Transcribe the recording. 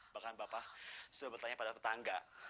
bahkan bapak sudah bertanya pada tetangga